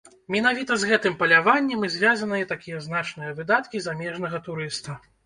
Менавіта з гэтым паляваннем і звязаныя такія значныя выдаткі замежнага турыста.